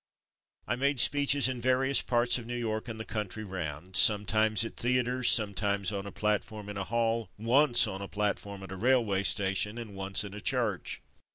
I made speeches in various parts of New York and the country round; sometimes at 3o6 From Mud to Mufti theatres, sometimes on a platform in a hall, once on a platform at a railway station, and once in a church.